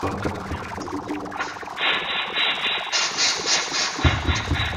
La commune dispose d'une salle communale, d'une bibliothèque et d'un restaurant scolaire.